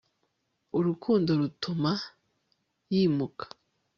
urukundo rutuma heav'ns yimuka